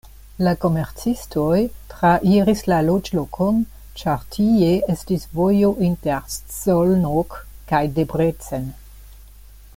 La komercistoj trairis la loĝlokon, ĉar tie estis vojo inter Szolnok kaj Debrecen.